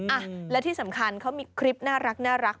อ่ะและที่สำคัญเขามีคลิปน่ารัก